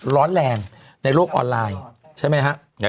ร้อนแรงในโลกออนไลน์ใช่ไหมฮะ